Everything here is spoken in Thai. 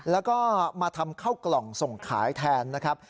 แล้วก็มาทำเข้ากล่องส่งขายแทนนะครับ